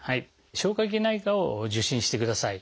消化器内科を受診してください。